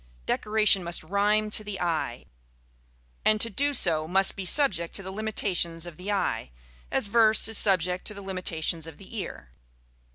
Decoration must rhyme to the eye, and to do so must be subject to the limitations of the eye, as verse is subject to the limitations of the ear.